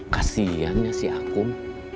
kasihannya si akun